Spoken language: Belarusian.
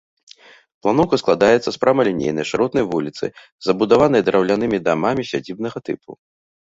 Планоўка складаецца з прамалінейнай шыротнай вуліцы, забудаванай драўлянымі дамамі сядзібнага тыпу.